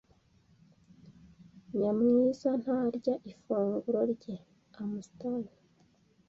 Nyamwiza ntararya ifunguro rye. (Amastan)